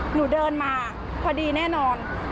หนูเดินมาพอดีแน่นอน